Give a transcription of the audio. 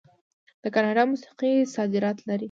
د کاناډا موسیقي صادرات لري.